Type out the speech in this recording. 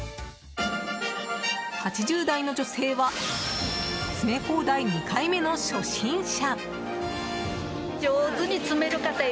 ８０代の女性は詰め放題２回目の初心者。